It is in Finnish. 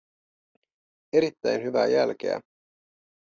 Erittäin hyvää jälkeä.